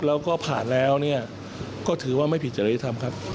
แล้วก็ผ่านแล้วเนี่ยก็ถือว่าไม่ผิดจริยธรรมครับ